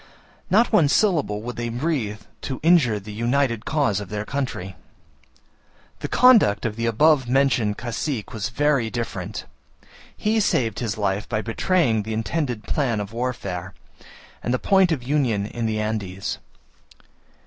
Not one syllable would they breathe to injure the united cause of their country! The conduct of the above mentioned cacique was very different; he saved his life by betraying the intended plan of warfare, and the point of union in the Andes.